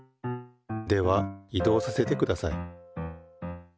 では移動させてください。